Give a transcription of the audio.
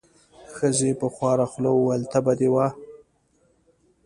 ښځې په خواره خوله وویل: تبه دې وه.